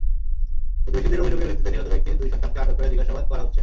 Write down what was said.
প্রতিবেশীদের অভিযোগের ভিত্তিতে নিহত ব্যক্তির দুই সন্তানকে আটক করে জিজ্ঞাসাবাদ করা হচ্ছে।